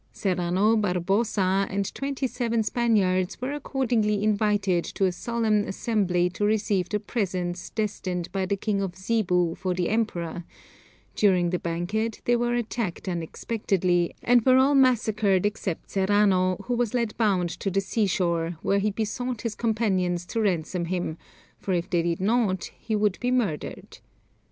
Serrano, Barbosa, and twenty seven Spaniards were accordingly invited to a solemn assembly to receive the presents destined by the king of Zebu for the Emperor; during the banquet they were attacked unexpectedly, and were all massacred except Serrano, who was led bound to the sea shore, where he besought his companions to ransom him, for if they did not he would be murdered.